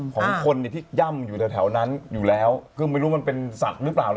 ของคนที่ย่ำอยู่แถวนั้นอยู่แล้วซึ่งไม่รู้มันเป็นสัตว์หรือเปล่า